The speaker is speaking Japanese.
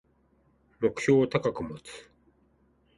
目標を高く持つ